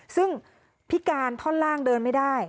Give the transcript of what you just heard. ซึ่งพิการท่อนล่างเดินไม่ได้